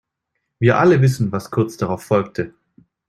Wir alle wissen, was kurz darauf folgte.